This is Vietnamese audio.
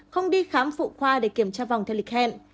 không đi khám phụ khoa để kiểm tra vòng telecan